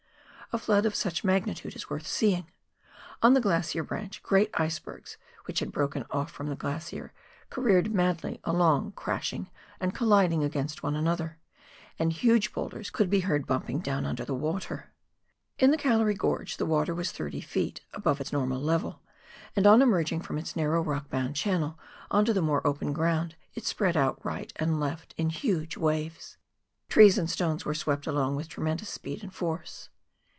A flood of such magnitude is worth seeing ; on the Glacier Branch great icebergs which had broken off from the glacier careered madly along, crashing and colliding against one another, and huge boulders could be heard bumping down 78 PIONEER WORK IN THE ALPS OF NEW ZEALAND. under the water. In the Gallery Gorge, the water was thirty feet above its normal level, and on emerging from its narrow rock bound channel on to the more open ground, it spread out right and left in huge waves. Trees and stones were swept along with tremendous speed and force.